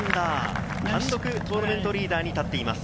単独トーナメントリーダーに立っています。